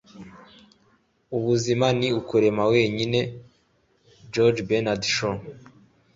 ubuzima ni ukurema wenyine. - george bernard shaw